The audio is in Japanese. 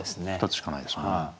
２つしかないですもんね。